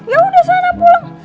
yaudah sana pulang